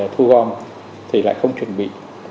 thu gom thì lại không chuẩn bị